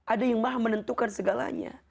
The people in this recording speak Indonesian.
ada yang maha menentukan segalanya